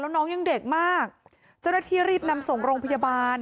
แล้วน้องยังเด็กมากจริงรีบนำส่งโรงพยาบาล